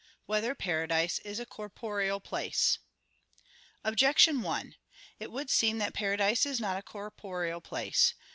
1] Whether Paradise Is a Corporeal Place? Objection 1: It would seem that paradise is not a corporeal place.